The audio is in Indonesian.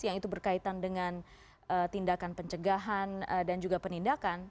yang itu berkaitan dengan tindakan pencegahan dan juga penindakan